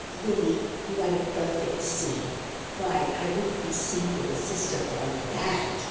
"Lily, you are a perfect silly! Why, I wouldn't be seen with a sister called that!